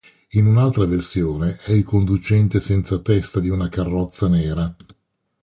In un'altra versione, è il conducente senza testa di una carrozza nera.